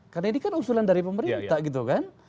karena ini kan usulan dari pemerintah gitu kan